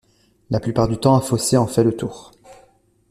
La plupart du temps un fossé en fait le tour.